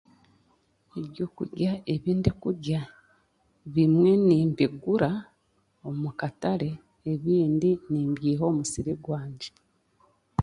Ebyokurya ebindikurya ebimwe nimbugura ebindi mbiha omu musiri gwangye